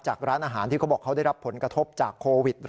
ร้านอาหารที่เขาบอกเขาได้รับผลกระทบจากโควิด๑๙